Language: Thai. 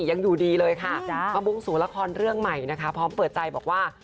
ยังอยู่ดีเลยค่ะมาบุงสู่ละครเรื่องใหม่นะคะพร้อมเปิดใจบอกว่า